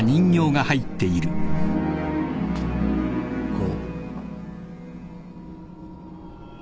「５」？